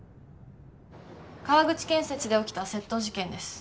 川口建設で起きた窃盗事件です